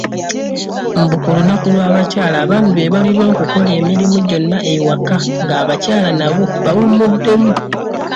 Mbu ku lunaku lw'abakyala abaami be balina okukola emirimu gyonna ewaka ng'abakyala nabo bawummuddemu.